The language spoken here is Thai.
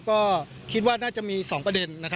ก็คิดว่าน่าจะมี๒ประเด็น